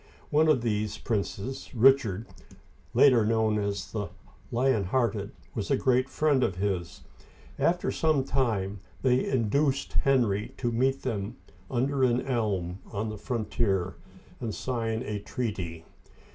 One of these princes, Richard, — later known as the Lion hearted, — was a great friend of his. After some time they two induced Henry to meet them under an elm on the frontier, and sign a treaty.